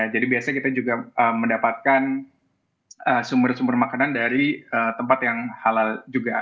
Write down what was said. jadi biasanya kita juga mendapatkan sumber sumber makanan dari tempat yang halal juga